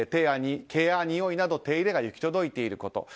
毛やにおいなど手入れが行き届いていること。